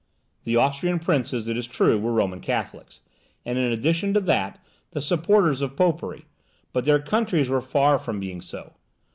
The Austrian princes, it is true were Roman Catholics, and in addition to that, the supporters of Popery, but their countries were far from being so.